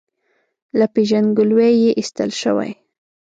له پېژندګلوۍ یې ایستل شوی.